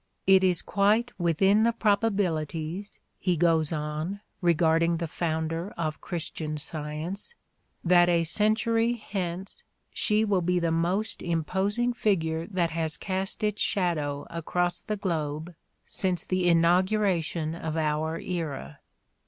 It is quite within the probabilities," he goes on, regarding the founder of Christian Science, '' that a century hence she will be the most imposing figure that has cast its shadow across the globe since the inauguration of our era."